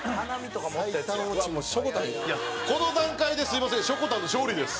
この段階ですいませんしょこたんの勝利です。